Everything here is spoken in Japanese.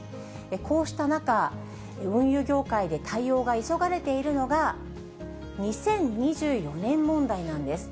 こうした中、運輸業界で対応が急がれているのが、２０２４年問題なんです。